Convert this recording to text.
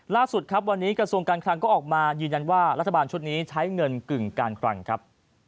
ล่าสุดครับวันนี้กระทรวงการคลังก็ออกมายืนยันว่ารัฐบาลชุดนี้ใช้เงินกึ่งการคลังครับ